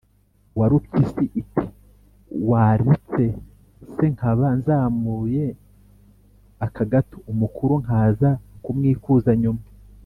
warupyisi iti: “waretse se nkaba nsamuye aka gato, umukuru nkaza kumwikuza nyuma?